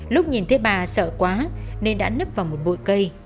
lúc nhìn thấy bà sợ quá nên đã nứt vào một bụi cây